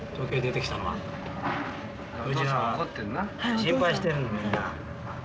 心配してるみんな。